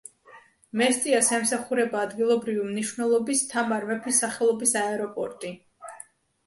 მესტიას ემსახურება ადგილობრივი მნიშვნელობის თამარ მეფის სახელობის აეროპორტი.